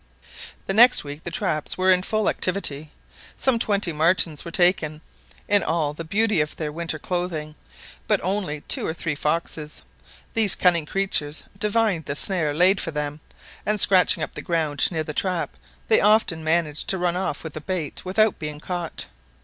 The next week the traps were in full activity. Some twenty martens were taken, in all the beauty of their winter clothing, but only two or three foxes. These cunning creatures divined the snare laid for them, and scratching up the ground near the trap, they often managed to run off with the bait without being caught.